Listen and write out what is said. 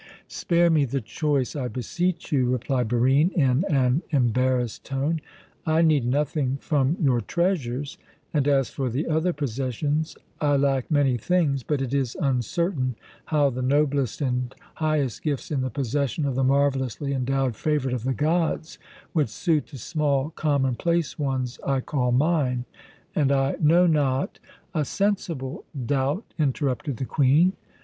"Spare me the choice, I beseech you," replied Barine in an embarrassed tone. "I need nothing from your treasures, and, as for the other possessions I lack many things; but it is uncertain how the noblest and highest gifts in the possession of the marvellously endowed favourite of the gods would suit the small, commonplace ones I call mine, and I know not " "A sensible doubt!" interrupted the Queen.